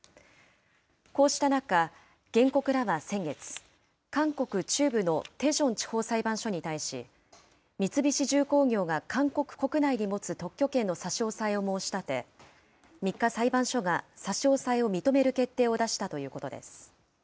こうした中、原告らは先月、韓国中部のテジョン地方裁判所に対し、三菱重工業が韓国国内に持つ特許権の差し押さえを申し立て、３日、裁判所が差し押さえを認める決定を出したということです。